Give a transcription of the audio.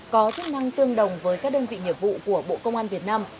có chức năng tương đồng với các đơn vị nghiệp vụ của bộ công an việt nam